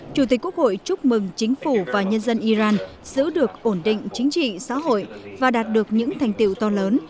chủ tịch quốc hội chúc mừng chính phủ và nhân dân iran giữ được ổn định chính trị xã hội và đạt được những thành tiệu to lớn